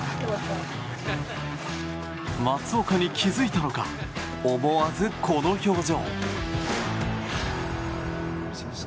松岡に気付いたのか思わず、この表情。